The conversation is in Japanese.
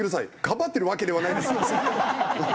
「かばってるわけではないんです」。